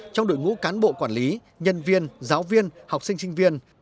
trong đội ngũ cán bộ quản lý nhân viên giáo viên học sinh sinh viên